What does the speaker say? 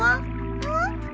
うん？